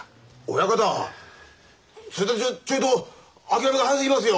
親方そいつぁちょいと諦めが早すぎますよ。